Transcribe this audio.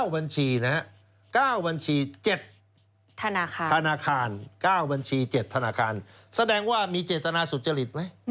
บัญชีนะฮะ๙บัญชี๗ธนาคาร๙บัญชี๗ธนาคารแสดงว่ามีเจตนาสุจริตไหม